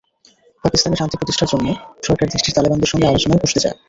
পাকিস্তানে শান্তি প্রতিষ্ঠার জন্য সরকার দেশটির তালেবানদের সঙ্গে আলোচনায় বসতে চায়।